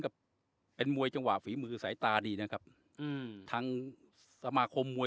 ครับเป็นมวยจังหวะฝีมือสายตาดีนะครับอืมทางสมาคมมวย